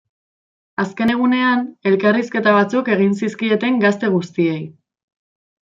Azken egunean, elkarrizketa batzuk egin zizkieten gazte guztiei.